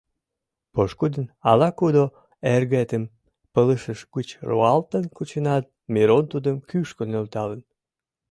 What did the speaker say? Пошкудын ала-кудо эргетым пылышыж гыч руалтен кученат, Мирон тудым кӱшкӧ нӧлталын.